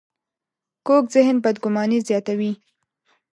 کوږ ذهن بدګماني زیاتوي